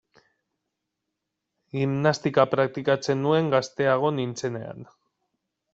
Gimnastika praktikatzen nuen gazteago nintzenean.